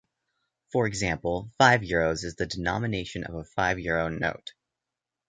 For example, "five euros" is the denomination of a five euro note.